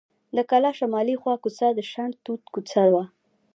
د کلا شمالي خوا کوڅه د شنډه توت کوڅه وه.